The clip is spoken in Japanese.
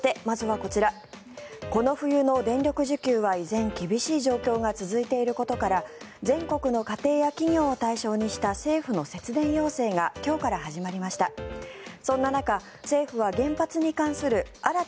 この冬の電力需給は依然厳しい状況が続いていることから全国の家庭や企業を対象にした政府の節電要請が今日から始まりました。